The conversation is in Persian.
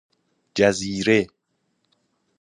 جزیره